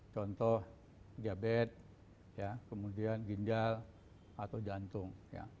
contoh diabetes kemudian ginjal atau jantung